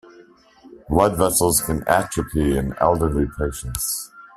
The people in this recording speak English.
Blood vessels can atrophy in elderly patients.